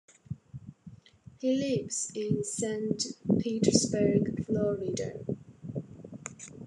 He lives in Saint Petersburg, Florida.